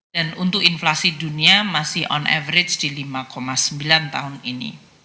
dan untuk inflasi dunia masih on average di lima sembilan tahun ini